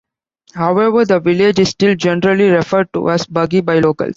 However, the village is still generally referred to as 'Buggy' by locals.